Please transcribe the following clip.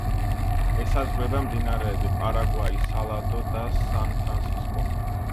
ესაზღვრება მდინარეები: პარაგვაი, სალადო და სან-ფრანსისკო.